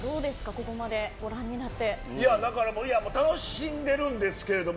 ここまでご覧になって。